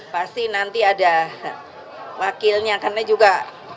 pasti nanti ada wakilnya karena juga